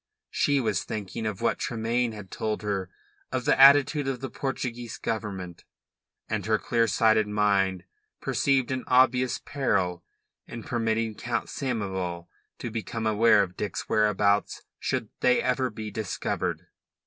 She was thinking of what Tremayne had told her of the attitude of the Portuguese Government, and her clear sighted mind perceived an obvious peril in permitting Count Samoval to become aware of Dick's whereabouts should they ever be discovered.